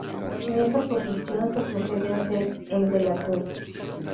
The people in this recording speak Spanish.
En esa posición, se procede a hacer el velatorio.